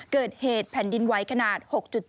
เกิดเหตุแผ่นดินไหวขนาด๖๗